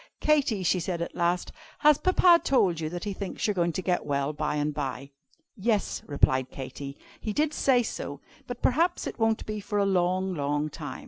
"Katy," she said at last, "has Papa told you that he thinks you are going to get well by and by?" "Yes," replied Katy, "he did say so. But perhaps it won't be for a long, long time.